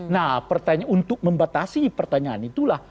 nah pertanyaan untuk membatasi pertanyaan itulah